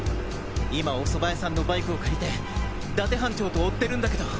今お蕎麦屋さんのバイクを借りて伊達班長と追ってるんだけど。